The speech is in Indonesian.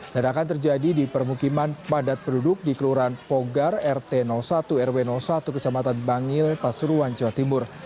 ledakan terjadi di permukiman padat penduduk di kelurahan pogar rt satu rw satu kecamatan bangil pasuruan jawa timur